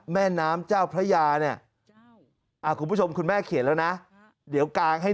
แม่น้ำเจ้าพระยาเนี่ยคุณผู้ชมคุณแม่เขียนแล้วนะเดี๋ยวกางให้